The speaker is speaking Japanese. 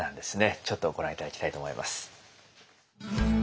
ちょっとご覧頂きたいと思います。